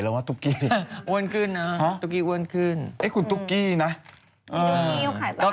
เพราะว่าคุณปัญญาก็มาคุยกับพี่ตุ๊กกี้ว่าเราอยากให้โอกาสลองเด็กใหม่มามีบทบาท